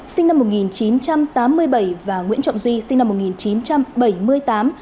sinh năm một nghìn chín trăm tám mươi bảy và nguyễn trọng duy sinh năm một nghìn chín trăm bảy mươi tám